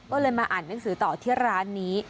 ก็เลยมาอ่านหนังสือต่อที่ร้านนี้